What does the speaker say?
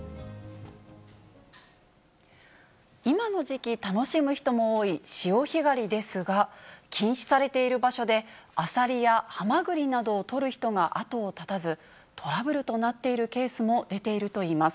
今の時期、楽しむ人も多い潮干狩りですが、禁止されている場所でアサリやハマグリなどを採る人が後を絶たず、トラブルとなっているケースも出ているといいます。